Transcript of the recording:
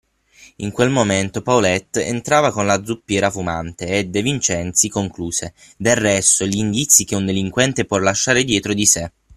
In quel momento Paulette entrava con la zuppiera fumante e De Vincenzi concluse: Del resto, gli indizi che un delinquente può lasciare dietro di sé.